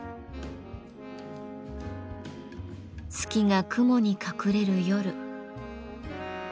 月が雲に隠れる夜。